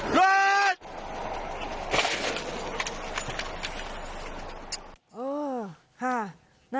รถ